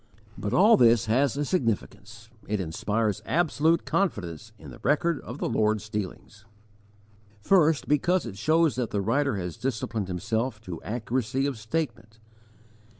But all this has a significance. It inspires absolute confidence in the record of the Lord's dealings. First, because it shows that the writer has disciplined himself to accuracy of statement.